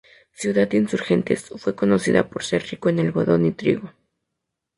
Ciudad Insurgentes fue conocida por ser rico en algodón y trigo.